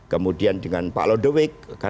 kemudian dengan pak lodewijk